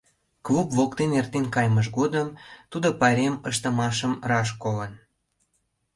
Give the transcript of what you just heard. Клуб воктен эртен кайымыж годым тудо пайрем ыштымашым раш колын.